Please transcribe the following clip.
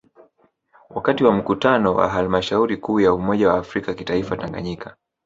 Wakati wa Mkutano wa Halmashauri Kuu ya umoja wa afrika kitaifa Tanganyika